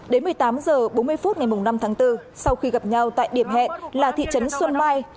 đến một mươi tám h bốn mươi phút ngày năm tháng bốn sau khi gặp nhau tại điểm hẹn là thị trấn xuân mai